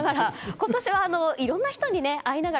今年はいろんな人に会いながら。